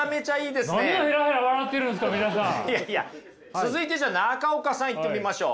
続いてじゃあ中岡さんいってみましょう。